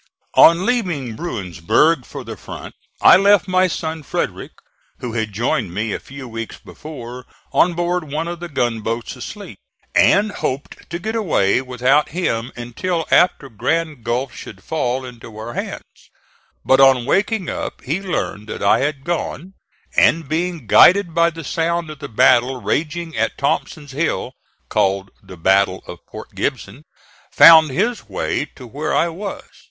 On leaving Bruinsburg for the front I left my son Frederick, who had joined me a few weeks before, on board one of the gunboats asleep, and hoped to get away without him until after Grand Gulf should fall into our hands; but on waking up he learned that I had gone, and being guided by the sound of the battle raging at Thompson's Hill called the Battle of Port Gibson found his way to where I was.